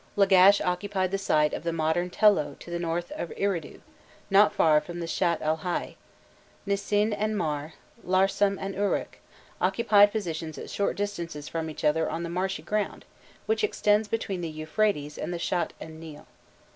Lagash occupied the site of the modern Telloh to the north of Eridu, not far from the Shatt el Hai; Nisin and Mar, Larsam and Uruk, occupied positions at short distances from each other on the marshy ground which extends between the Euphrates and the Shatt en Nil.